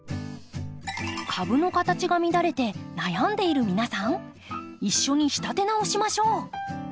株の形が乱れて悩んでいる皆さん一緒に仕立て直しましょう。